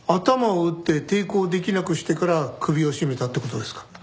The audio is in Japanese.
頭を打って抵抗できなくしてから首を絞めたって事ですか？